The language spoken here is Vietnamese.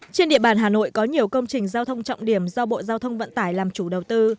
trên địa bàn hà nội có nhiều công trình giao thông trọng điểm do bộ giao thông vận tải làm chủ đầu tư